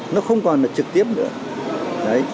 nó không còn là trực tiếp nữa